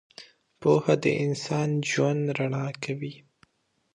• پوهه د انسان ژوند رڼا کوي.